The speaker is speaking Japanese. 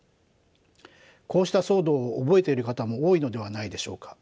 こうした騒動を覚えている方も多いのではないでしょうか？